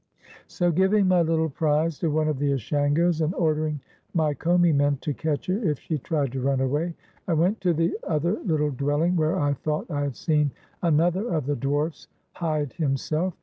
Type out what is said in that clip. So, giving my little prize to one of the Ashangos, and [ordering my Commi men to catch her if she tried to run away, I went to the other little dwelling where I thought I had seen another of the dwarfs hide himself.